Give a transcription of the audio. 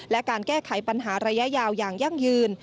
และการแก้ไขปัญหาระยะยาวอย่างยั่งยืน